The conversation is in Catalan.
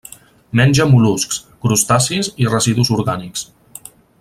Menja mol·luscs, crustacis i residus orgànics.